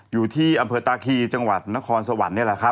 อยู่ที่อำเภอตาคีจังหวัดนครสวรรค์